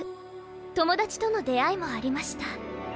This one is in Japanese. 友達との出会いもありました。